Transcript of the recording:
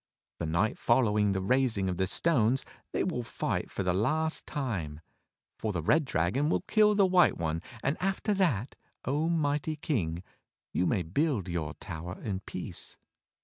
The night following the raising of the stones they will fight for the last time; for the red dragon will kill the white one, and after that, O Mighty King, you may build your tower in peace."